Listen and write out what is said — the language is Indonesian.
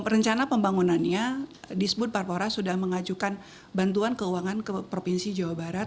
rencana pembangunannya disebut parpora sudah mengajukan bantuan keuangan ke provinsi jawa barat